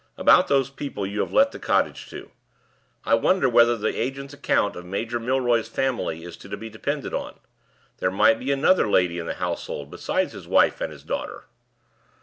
About those people you have let the cottage to? I wonder whether the agent's account of Major Milroy's family is to be depended on? There might be another lady in the household besides his wife and his daughter."